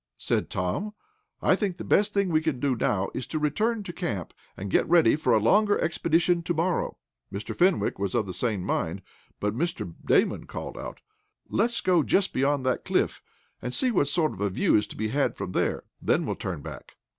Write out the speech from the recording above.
said Tom. "I think the best thing we can do now is to return to camp, and get ready for a longer expedition to morrow." Mr. Fenwick was of the same mind, but Mr. Damon called out: "Let's go just beyond that cliff, and see what sort of a view is to be had from there. Then we'll turn back."